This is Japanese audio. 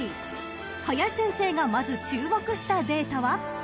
［林先生がまず注目したデータは］